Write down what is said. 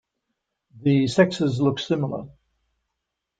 The sexes look similar.